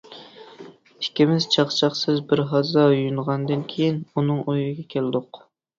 ئىككىمىز چاقچاقسىز بىر ھازا يۇيۇنغاندىن كېيىن، ئۇنىڭ ئۆيىگە كەلدۇق.